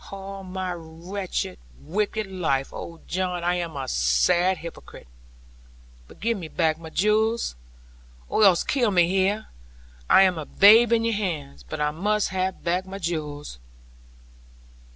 All my wretched, wicked life oh, John, I am a sad hypocrite but give me back my jewels. Or else kill me here; I am a babe in your hands; but I must have back my jewels.'